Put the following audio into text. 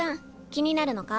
気になるのか？